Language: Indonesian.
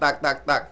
tak tak tak